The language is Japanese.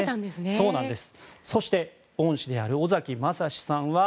そして、恩師である尾崎将司さんは。